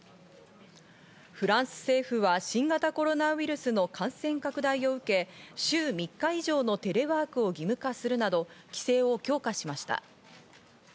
フランス政府は新型コロナウイルスの感染拡大を受け週３日以上のテレワークを義務化するなど、規制を強化しました。